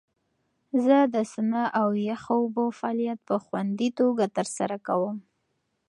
زه د سونا او یخو اوبو فعالیت په خوندي توګه ترسره کوم.